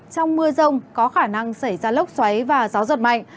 trong mưa rông có khả năng xảy ra lốc xoáy và gió giật mạnh